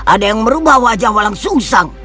ada yang merubah wajah walang susang